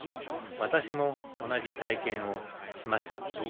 私も同じ体験をしました。